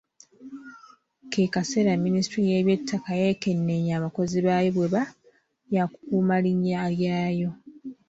Ke kaseera Ministule y’Eby'ettaka yeekenneenye abakozi baayo bw’eba yakukuuma linnya lyayo.